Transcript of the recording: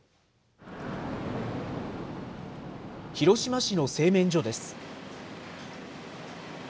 広島市の製麺所です。